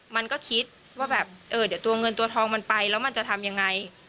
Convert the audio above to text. มันก็คิดว่าแบบเออเดี๋ยวตัวเงินตัวทองมันไปแล้วมันจะทำยังไง